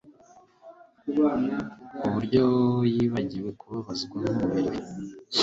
ku buryo yibagiwe kubabazwa k'umubiri we.